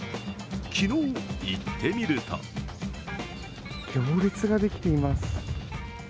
昨日行ってみると行列ができています。